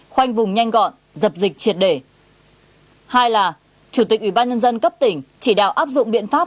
hay là chủ tịch ủy ban nhân dân cấp tỉnh chỉ đạo áp dụng biện pháp